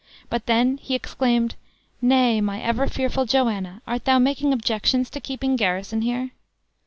But then he exclaimed, "Nay, my ever fearful Joanna, art thou making objections to keeping garrison here?"